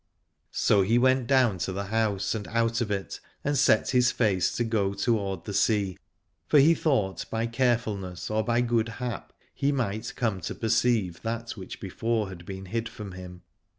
lOI Aladore So he went down the house and out of it, and set his face to go toward the sea, for he thought by carefulness or by good hap he might come to perceive that which before had been hid from him.